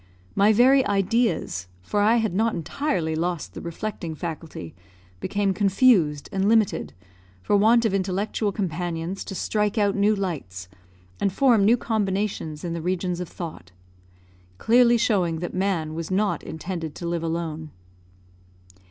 My very ideas (for I had not entirely lost the reflecting faculty) became confused and limited, for want of intellectual companions to strike out new lights, and form new combinations in the regions of thought; clearly showing that man was not intended to live alone.